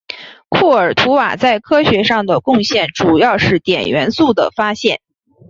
库尔图瓦在科学上的贡献主要是碘元素的发现。